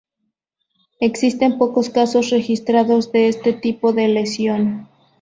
Existen pocos casos registrados de este tipo de lesión.